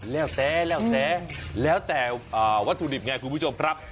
แล้วแต่แล้วแต่แล้วแต่วัตถุดิบไงคุณผู้ชมครับ